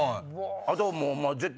あともう。